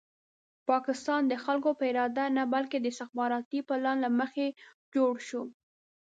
پاکستان د خلکو په اراده نه بلکې د استخباراتي پلان له مخې جوړ شو.